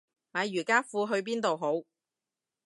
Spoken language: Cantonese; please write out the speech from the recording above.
買瑜伽褲去邊度好